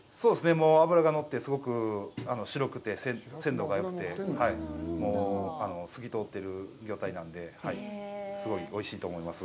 脂が乗って、すごく白くて、鮮度がよくて、透き通ってる魚体なんで、すごいおいしいと思います。